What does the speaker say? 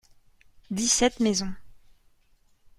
Dix-sept maisons.